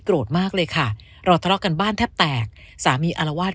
มากเลยค่ะเราทะเลาะกันบ้านแทบแตกสามีอารวาส